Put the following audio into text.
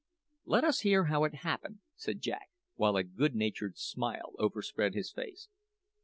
"Let us hear how it happened," said Jack, while a good natured smile overspread his face.